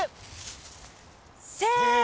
せの！